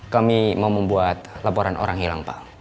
kami mau membuat laporan orang hilang pak